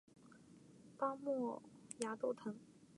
巴莫崖豆藤